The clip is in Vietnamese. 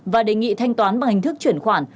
và đề nghị thanh toán bằng hình thức chuyển khoản